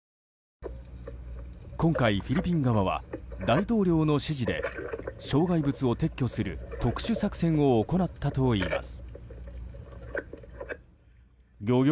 今回、フィリピン側は大統領の指示で障害物を撤去する特殊作戦を行ったといいます。